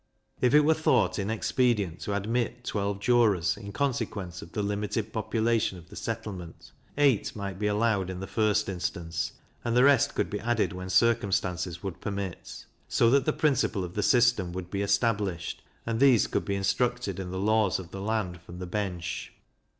If it were thought inexpedient to admit twelve jurors, in consequence of the limited population of the settlement, eight might be allowed in the first instance, and the rest could be added when circumstances would permit; so that the principle of the system would be established, and these could be instructed in the laws of the land from the bench.